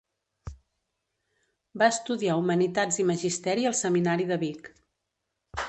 Va estudiar humanitats i magisteri al seminari de Vic.